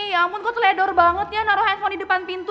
ya ampun kok seledor banget ya naruh handphone di depan pintu